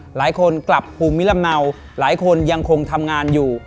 หลายคนกลับภูมิลำเนาหลายคนยังคงทำงานอยู่